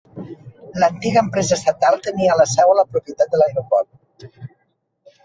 L'antiga empresa estatal tenia la seu a la propietat de l'aeroport.